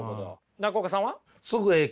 中岡さんは？